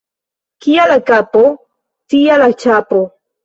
Kia la kapo, tia la ĉapo.